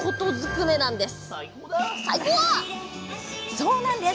そうなんです。